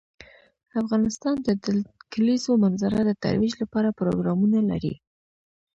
افغانستان د د کلیزو منظره د ترویج لپاره پروګرامونه لري.